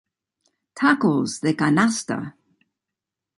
Tacos de canasta!